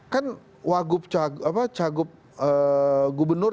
kan wagup cagup gubernur